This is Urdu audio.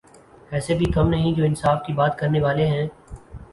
ایسے بھی کم نہیں جو انصاف کی بات کرنے والے ہیں۔